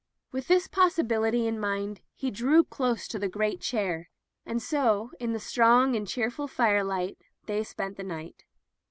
With this possibility in mind he drew close to the great chair — and so, in the strong and cheerful fire light, they spent the night.